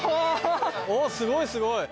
すごいすごい。